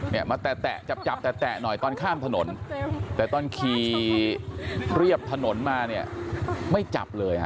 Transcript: เล็นมาจับจับแตะหน่อยตอนข้ามถนนถนนก็ไม่จับเลย